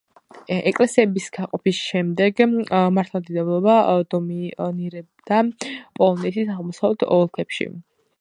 ეკლესიების გაყოფის შემდეგ მართლმადიდებლობა დომინირებდა პოლონეთის აღმოსავლეთ ოლქებში.